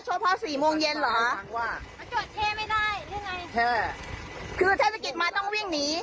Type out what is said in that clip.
โชว์พอสี่โมงเย็นเหรอไม่ได้คือเทศกิจมาต้องวิ่งหนี